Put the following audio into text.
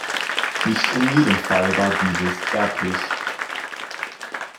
Nicht in jedem Fall war dieses erblich.